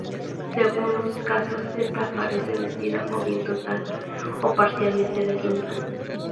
Según los casos, esta aparece vestida o bien total o parcialmente desnuda.